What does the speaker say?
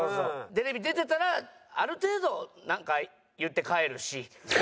テレビ出てたらある程度なんか言って帰るし。